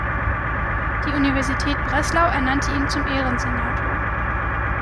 Die Universität Breslau ernannte ihn zum Ehrensenator.